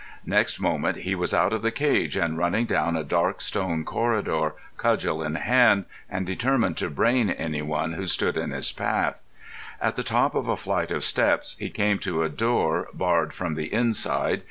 Next moment he was out of the cage and running down a dark stone corridor, cudgel in hand, and determined to brain anyone who stood in his path. At the top of a flight of steps he came to a door barred from the inside.